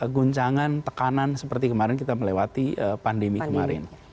guncangan tekanan seperti kemarin kita melewati pandemi kemarin